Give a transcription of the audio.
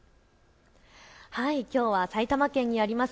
きょうは埼玉県にあります